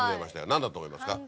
何だと思いますか？